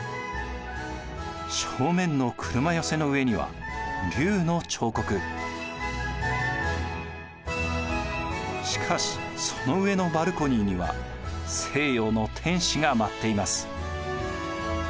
正面の車寄せの上にはしかしその上のバルコニーには西洋の天使が舞っています。